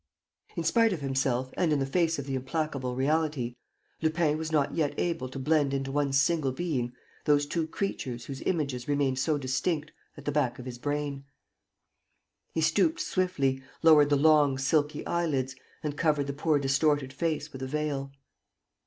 In spite of himself and in the face of the implacable reality, Lupin was not yet able to blend into one single being those two creatures whose images remained so distinct at the back of his brain. He stooped swiftly, lowered the long, silky eyelids, and covered the poor distorted face with a veil.